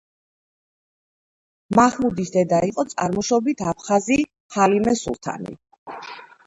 მაჰმუდის დედა იყო წარმოშობით აფხაზი ჰალიმე სულთანი.